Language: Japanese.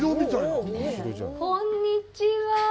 こんにちは。